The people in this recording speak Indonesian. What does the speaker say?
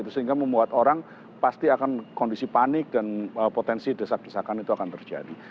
sehingga membuat orang pasti akan kondisi panik dan potensi desak desakan itu akan terjadi